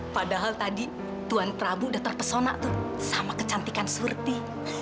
padahal tadi tuan prabu sudah terpesona tuh sama kecantikan syuti